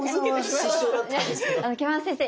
木村先生